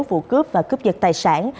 vụ cướp và cướp giật tài sản